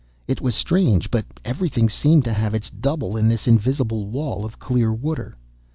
It was strange, but everything seemed to have its double in this invisible wall of clear water.